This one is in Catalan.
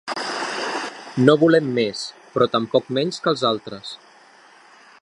No volem més però tampoc menys que els altres.